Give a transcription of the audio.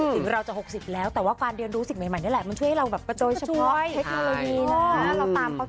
จึงเราจะหกสิบแล้วแต่ว่าการเรียนรู้สิ่งใหม่นี่แหละมันช่วยให้เรากระโยลเฉพาะ